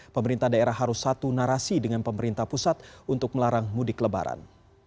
pemerintah daerah harus satu narasi dengan pemerintah pusat untuk melarang mudik lebaran